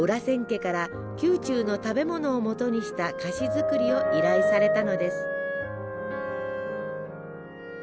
千家から宮中の食べ物をもとにした菓子作りを依頼されたのです。